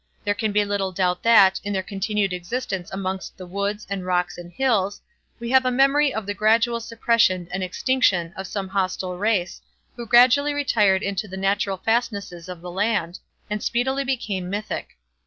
There can be little doubt that, in their continued existence amongst the woods, and rocks, and hills, we have a memory of the gradual suppression and extinction of some hostile race, who gradually retired into the natural fastnesses of the land, and speedily became mythic.